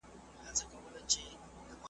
زلمي به خاندي په شالمار کي .